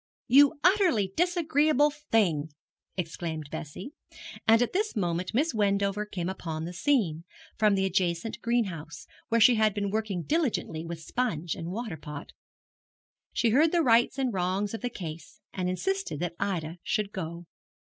'You utterly disagreeable thing!' exclaimed Bessie; and at this moment Miss Wendover came upon the scene, from an adjacent green house, where she had been working diligently with sponge and watering pot. She heard the rights and wrongs of the case, and insisted that Ida should go.